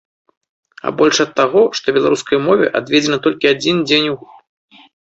А больш ад таго, што беларускай мове адведзены толькі адзін дзень у год.